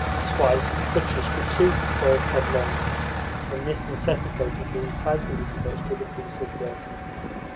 Twice Petrushka, too, had fallen headlong, and this necessitated being tied to his perch with a piece of rope.